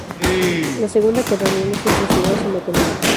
La segunda, que Daniel no se suicidó sino que lo mataron.